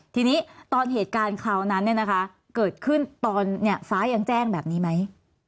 ทีนี้ตอนเหตุการณ์คราวนั้นเกิดขึ้นตอนฟ้ายังแจ้งแบบนี้ไหม